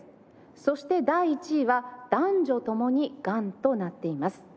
そして第１位は男女共にがんとなっています。